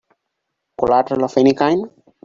Collateral of any kind?